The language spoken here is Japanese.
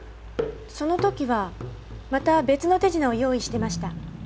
その時はまた別の手品を用意してました。